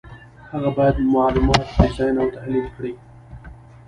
هغه باید معلومات ډیزاین او تحلیل کړي.